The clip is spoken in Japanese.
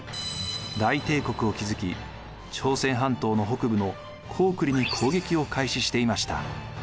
大帝国を築き朝鮮半島の北部の高句麗に攻撃を開始していました。